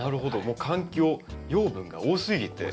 もう環境養分が多すぎて。